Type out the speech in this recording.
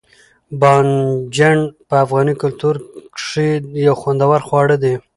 بانجڼ په افغاني کلتور کښي یو خوندور خواړه دي.